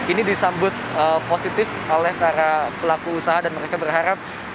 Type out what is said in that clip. ini disambut positif oleh para pelaku usaha dan mereka berharap